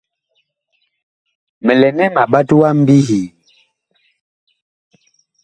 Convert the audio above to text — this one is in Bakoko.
Mi lɛ nɛ ma ɓat wa mbihii ?